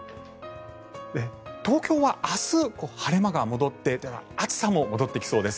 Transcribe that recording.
東京は明日、晴れ間が戻って暑さも戻ってきそうです。